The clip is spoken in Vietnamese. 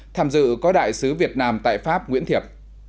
tham dự có đại sứ việt nam tại pháp nguyễn thiệp